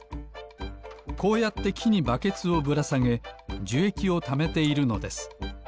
こうやってきにバケツをぶらさげじゅえきをためているのです